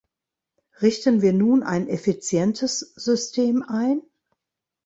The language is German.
Richten wir nun ein effizientes System ein?